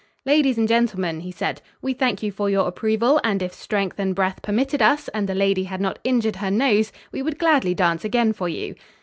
"Ladies and gentlemen," he said, "we thank you for your approval and if strength and breath permitted us, and the lady had not injured her nose, we would gladly dance again for you."